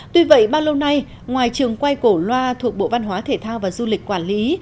tuy vậy bao lâu nay ngoài trường quay cổ loa thuộc bộ văn hóa thể thao và du lịch quản lý